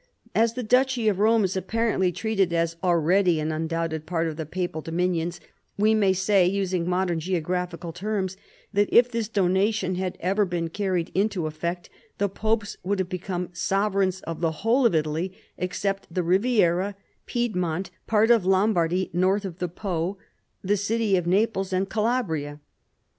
As the duchy of Rome is apparently treated as already an undoubted part of the papal dominions, we may say, using modern geographical terms, that if this donation had ever been carried into effect the popes would have become sovereigns of the whole of Italy except the Riviera, Piedmont, part of Lombardy north of the Po, the city of Naples and Calabria.